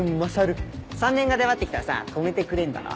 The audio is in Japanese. ３年が出張ってきたらさ止めてくれんだろ？